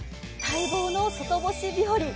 待望の外干し日和。